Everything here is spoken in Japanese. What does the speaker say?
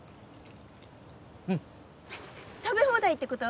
うんっ食べ放題ってこと？